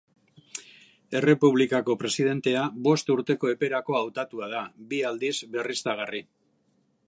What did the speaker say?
Errepublikako presidentea bost urteko eperako hautatua da, bi aldiz berriztagarri.